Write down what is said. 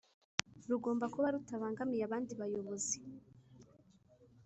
rugomba kuba rutabangamiye abandi bayobozi.